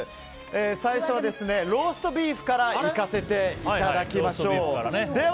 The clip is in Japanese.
最初は、ローストビーフから行かせていただきましょう。